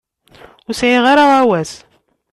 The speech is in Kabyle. Ur sɛiɣ ara aɣawas.